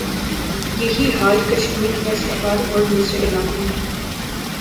یہ ہی حال کشمیر، فیصل آباد اور دوسرے علاقوں میں ھے